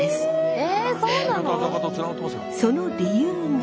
その理由が。